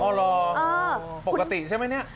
รอปกติใช่ไหมเนี่ย